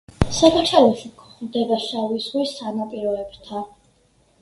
საქართველოში გვხვდება შავი ზღვის სანაპიროებთან.